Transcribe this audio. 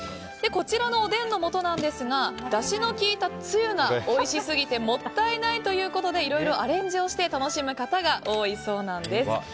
こちらのおでんの素ですがだしのきいたつゆがおいしすぎてもったいないということでいろいろアレンジをして楽しむ方が多いそうなんです。